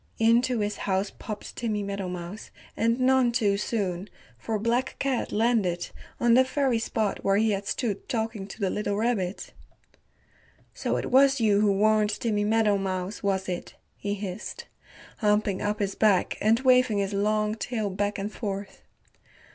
Into his house popped Timmy Meadowmouse, and none too soon, for Black Cat landed on the very spot where he had stood talking to the little rabbit. "So it was you who warned Timmy Meadowmouse, was it?" he hissed, humping up his back and waving his long tail back and forth.